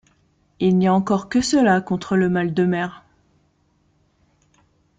Il n’y a encore que cela contre le mal de mer...